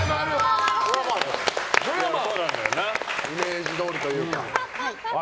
これはイメージどおりというか。